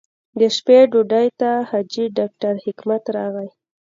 د شپې ډوډۍ ته حاجي ډاکټر حکمت راغی.